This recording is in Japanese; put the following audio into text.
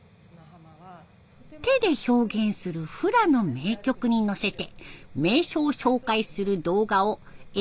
手で表現するフラの名曲に乗せて名所を紹介する動画をＳＮＳで配信。